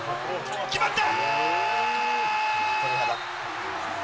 決まった！